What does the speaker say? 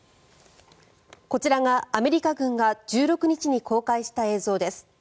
こちらがアメリカ軍が１６日に公開した映像です。